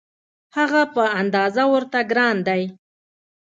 هغه په اندازه ورته ګران دی.